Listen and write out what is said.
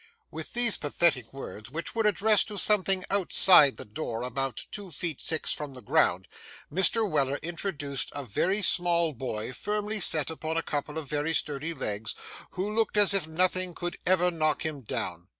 With these pathetic words, which were addressed to something outside the door about two feet six from the ground, Mr. Weller introduced a very small boy firmly set upon a couple of very sturdy legs, who looked as if nothing could ever knock him down.